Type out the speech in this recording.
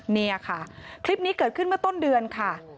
นี่ค่ะคลิปนี้เกิดขึ้นเมื่อต้นเดือนค่ะ